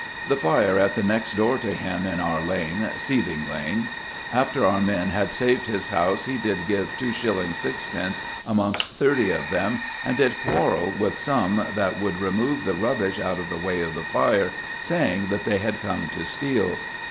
The fire at the next door to him in our lane (Seething Lane). After our men had saved his house he did give 2s. 6d. amongst thirty of them, and did quarrel with some that would remove the rubbish out of the way of the fire, saying that they had come to steal."